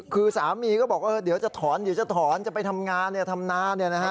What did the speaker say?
คือสามีก็บอกเดี๋ยวจะถอนจะไปทำงานทำนา